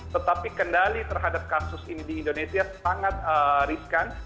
tetapi kendali terhadap kasus ini di indonesia sangat riskan